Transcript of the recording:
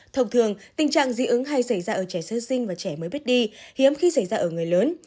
thông thường tình trạng dị ứng hay xảy ra ở trẻ sơ sinh và trẻ mới biết đi hiếm khi xảy ra ở người lớn